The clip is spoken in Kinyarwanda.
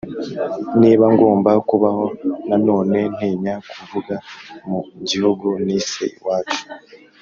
niba ngomba kubaho nanone ntinya kuvuga mu gihugu nise iwacu